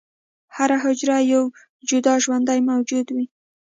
هره حجره یو جدا ژوندی موجود وي.